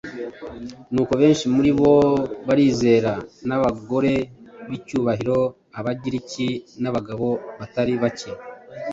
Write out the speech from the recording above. Nuko benshi muri bo barizera, n’abagore b’icyubahiro b’Abagiriki, n’abagabo batari bake.”